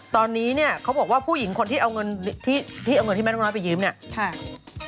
ตอนนี้เนี่ยเขาบอกว่าผู้หญิงคนที่เอาเงินที่แม่นกน้อยไปยืมเนี่ย